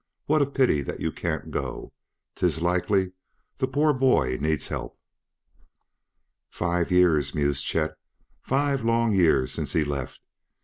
What a pity that you can't go; 'tis likely the poor bhoy needs help." "Five years!" mused Chet. "Five long years since he left!